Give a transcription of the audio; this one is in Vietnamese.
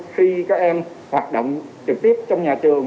khi các em hoạt động trực tiếp trong nhà trường